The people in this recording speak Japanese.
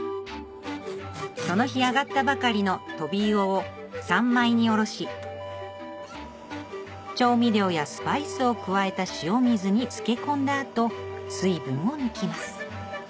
その日揚がったばかりのトビウオを三枚におろし調味料やスパイスを加えた塩水に漬け込んだ後水分を抜きます